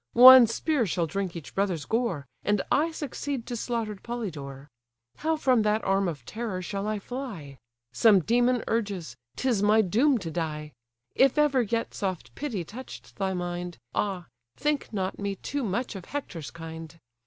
one spear shall drink each brother's gore, And I succeed to slaughter'd Polydore. How from that arm of terror shall I fly? Some demon urges! 'tis my doom to die! If ever yet soft pity touch'd thy mind, Ah! think not me too much of Hector's kind!